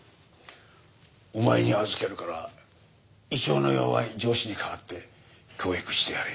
お前に預けるから胃腸の弱い上司に代わって教育してやれ。